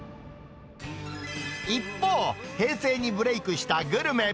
一方、平成にブレークしたグルメ。